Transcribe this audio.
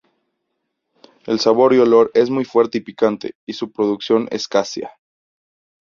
El sabor y olor es muy fuerte y picante, y su producción escasea.